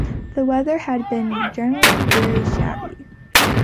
The weather had been generally very shabby.